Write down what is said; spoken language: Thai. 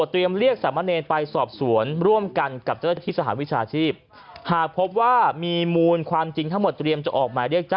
เพราะก็ถือว่าผิดนะครับ